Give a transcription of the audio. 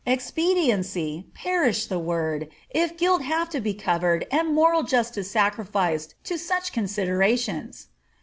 Expediency I perish the word, if guilt have to be covered, and moral justice sacrificed to such considerations